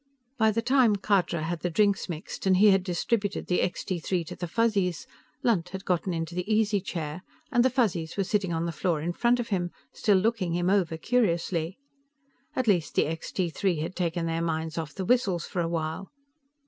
By the time Khadra had the drinks mixed and he had distributed the Extee Three to the Fuzzies, Lunt had gotten into the easy chair, and the Fuzzies were sitting on the floor in front of him, still looking him over curiously. At least the Extee Three had taken their minds off the whistles for a while.